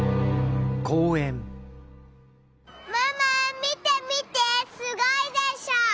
ママ見て見てすごいでしょ？